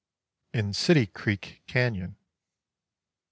IN CITY CREEK CANYON.